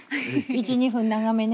１２分長めね。